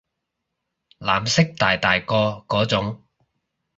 藍色大大個嗰種